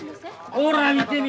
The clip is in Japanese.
ほら見てみ。